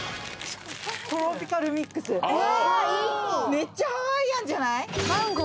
めっちゃハワイアンじゃない？